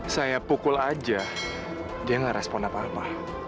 saya pukul aja dia nggak respon apa apa